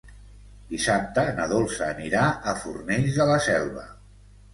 Dissabte na Dolça anirà a Fornells de la Selva.